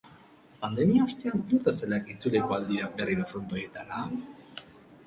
Pandemia ostean pilotazaleak itzuliko al dira berriro frontoietara?